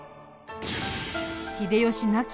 秀吉亡き